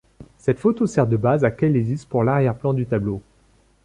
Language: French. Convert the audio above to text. Cette photo sert de base à Kalaizis pour l'arrière-plan du tableau.